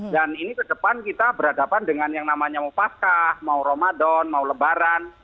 dan ini ke depan kita berhadapan dengan yang namanya mau pascah mau ramadan mau lebaran